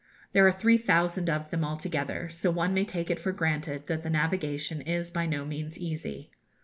There are three thousand of them altogether, so one may take it for granted that the navigation is by no means easy.